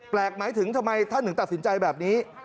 หมายถึงทำไมท่านถึงตัดสินใจแบบนี้